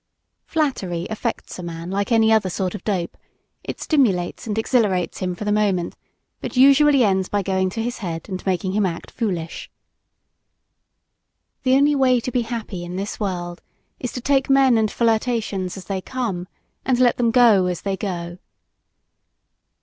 Flattery affects a man like any other sort of "dope." It stimulates and exhilarates him for the moment, but usually ends by going to his head and making him act foolish. The only way to be happy in this world is to take men and flirtations as they come and let them go as they go.